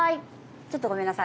ちょっとごめんなさい。